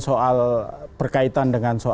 soal berkaitan dengan